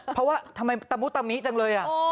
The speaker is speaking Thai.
เพราะว่าทำไมตะมุตะมิจังเลย